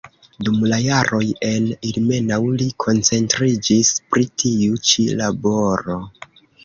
Dum la jaroj en Ilmenau li koncentriĝis pri tiu ĉi laboro.